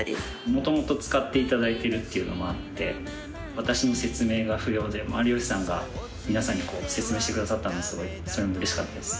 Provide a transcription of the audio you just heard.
もともと使っていただいてるっていうのもあって私の説明が不要で有吉さんが皆さんに説明してくださったのがそれもうれしかったです。